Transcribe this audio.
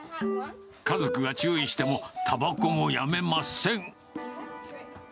家族が注意しても、たばこもやめません。